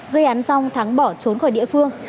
gây án xong thắng bỏ trốn khỏi địa phương